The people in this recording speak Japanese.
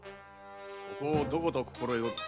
ここをどこと心得おる？